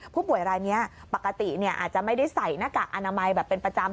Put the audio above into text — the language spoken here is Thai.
ผู้ป่วยรายนี้ปกติอาจจะไม่ได้ใส่หน้ากากอนามัยแบบเป็นประจำ